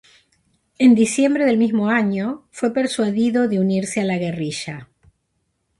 En diciembre del mismo año fue persuadido de unirse a la guerrilla.